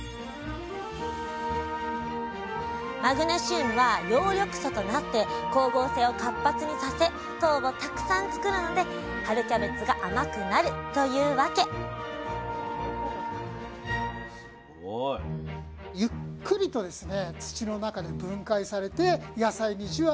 マグネシウムは葉緑素となって光合成を活発にさせ糖をたくさん作るので春キャベツが甘くなるというワケキャベツが出来上がるんですね。